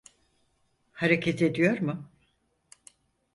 Hareket ediyor mu?